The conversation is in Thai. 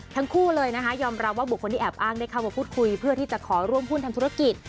ทั้งคู่เลยนะคะยอมรับว่าบุคคลที่แอบอ้างได้เข้ามาพูดคุยเพื่อที่จะขอร่วมหุ้นทำธุรกิจ